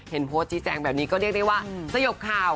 โพสต์ชี้แจงแบบนี้ก็เรียกได้ว่าสยบข่าว